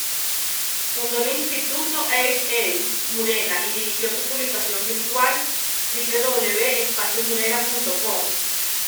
Fundó el Instituto H. A. Murena y dirigió su publicación virtual: www.espaciomurena.com.